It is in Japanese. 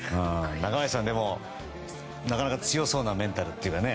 中林さんなかなか強そうなメンタルっていうかね。